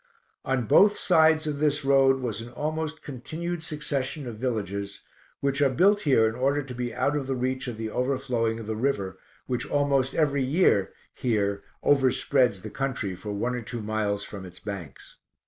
On both sides of tills road was an almost continued succession of villages, which are built here in order to be out of the reach of the overflowing of the river, which almost every year here overspreads the country for one or two miles from its banks.